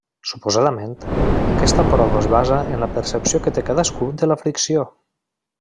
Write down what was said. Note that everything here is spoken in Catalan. Suposadament, aquesta prova es basa en la percepció que té cadascú de la fricció.